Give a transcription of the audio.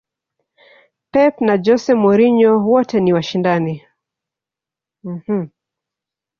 pep na jose mourinho wote ni washindani